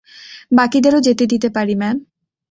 বাকীদেরও যেতে দিতে পারি, ম্যাম।